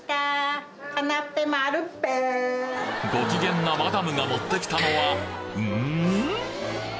ご機嫌なマダムが持ってきたのはん？